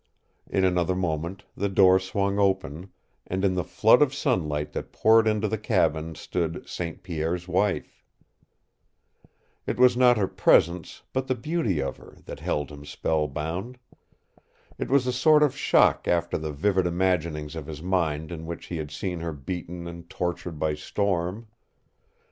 In another moment the door swung open, and in the flood of sunlight that poured into the cabin stood St. Pierre's wife! It was not her presence, but the beauty of her, that held him spellbound. It was a sort of shock after the vivid imaginings of his mind in which he had seen her beaten and tortured by storm.